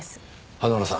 花村さん